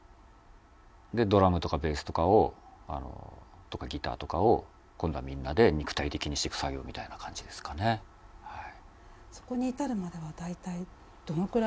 でドラムとかベースとかをギターとかを今度はみんなで肉体的にしていく作業みたいな感じですかねはい。